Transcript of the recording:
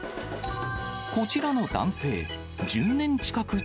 こちらの男性。